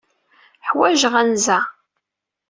Ḥwajeɣ anza.